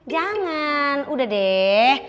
jangan udah deh